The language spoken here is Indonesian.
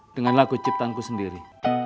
dengan lagu ciptanku sendiri